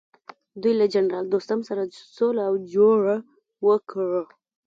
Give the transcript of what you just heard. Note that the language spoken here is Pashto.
دوی له جنرال دوستم سره سوله او جوړه وکړه.